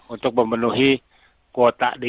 untuk memenuhi kuota di